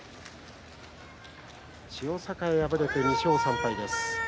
千代栄、敗れて２勝３敗です。